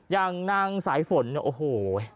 ยังนั่งสายฝนโอ้โฮ